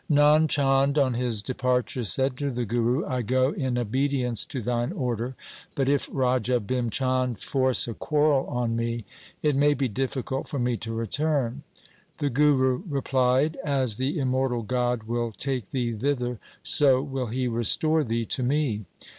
Nand Chand on his departure said to the Guru, ' I go in obedience to thine order, but if Raja Bhim Chand force a quarrel on me, it may be difficult for me to return.' The Guru replied, ' As the immortal God will take thee thither, so will He restore thee to me.